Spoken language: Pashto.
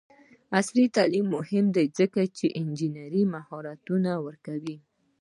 عصري تعلیم مهم دی ځکه چې د انجینرۍ مهارتونه ورکوي.